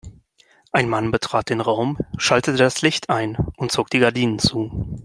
Ein Mann betrat den Raum, schaltete das Licht ein und zog die Gardinen zu.